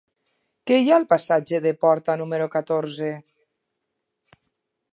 Què hi ha al passatge de Porta número catorze?